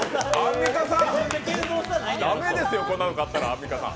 駄目ですよ、こんなの買ったら、アンミカさん。